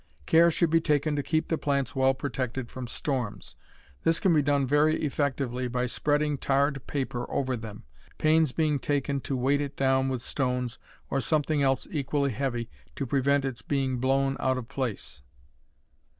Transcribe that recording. Care should be taken to keep the plants well protected from storms. This can be done very effectively by spreading tarred paper over them, pains being taken to weight it down with stones or something else equally heavy to prevent its being blown out of place.